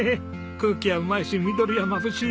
空気はうまいし緑はまぶしい！